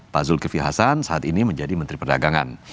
pak zulkifli hasan saat ini menjadi menteri perdagangan